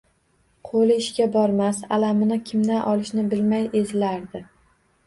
Qo’li ishga bormas, alamini kimdan olishni bilmay ezilardi.